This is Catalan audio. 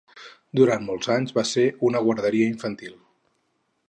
Durant molts anys va ser una guarderia infantil.